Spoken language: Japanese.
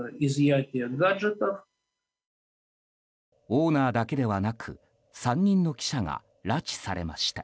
オーナーだけではなく３人の記者が拉致されました。